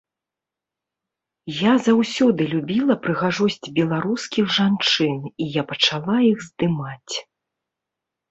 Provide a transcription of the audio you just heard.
Я заўсёды любіла прыгажосць беларускіх жанчын і я пачала іх здымаць.